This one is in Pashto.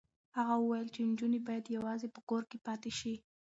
هغه وویل چې نجونې باید یوازې په کور کې پاتې شي.